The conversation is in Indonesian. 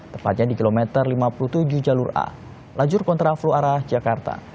tepatnya di kilometer lima puluh tujuh jalur a lajur kontra flu arah jakarta